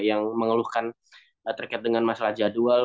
yang mengeluhkan terkait dengan masalah jadwal